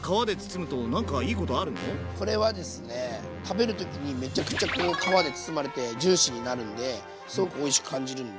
これはですね食べる時にめちゃくちゃこう皮で包まれてジューシーになるんですごくおいしく感じるんで。